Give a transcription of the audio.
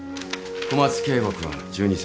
小松圭吾君１２歳。